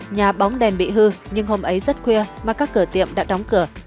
nhà bóng đèn bị hư nhưng hôm ấy rất khuya mà các cửa tiệm đã đóng cửa